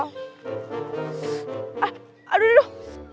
ah aduh duduk